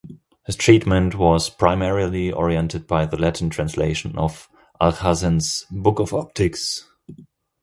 His treatment was primarily oriented by the Latin translation of Alhazen's "Book of Optics".